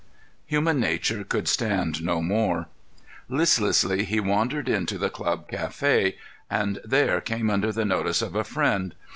] Human nature could stand no more. Listlessly he wandered into the club café and there came under the notice of a friend.